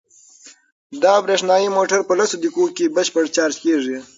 دا برېښنايي موټر په لسو دقیقو کې بشپړ چارج کیږي.